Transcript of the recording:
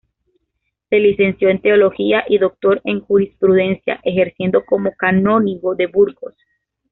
Se licenció en Teología y Doctor en Jurisprudencia, ejerciendo como Canónigo de Burgos.